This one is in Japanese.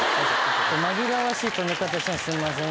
紛らわしい止め方しないすんません！